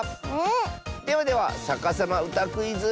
ではでは「さかさまうたクイズ」。